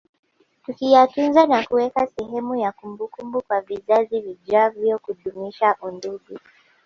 Tukiyatunza na kuweka sehemu ya kumbukumbu kwa vizazi vijavyo kudumisha undugu